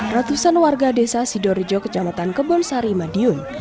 ratusan warga desa sidorijo kecamatan kebun sari madiun